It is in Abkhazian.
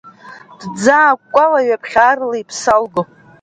Дӡаакәкәало, ҩаԥхьа аарла иԥсы алго…